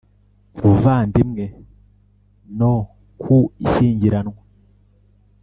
buvandimwe no ku ishyingiranwa